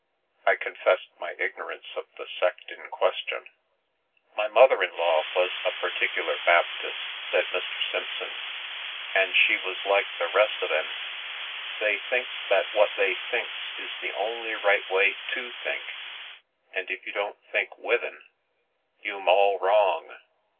I confessed my ignorance of the sect in question. " My mother in law was a Particular Baptist," said Mr. Simpson, " an' she was like the rest of 'en. They thinks that what they thinks is the only right way to think, and if you don't think wi' 'en, you'm all wrong.